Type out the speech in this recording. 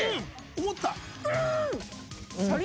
思った！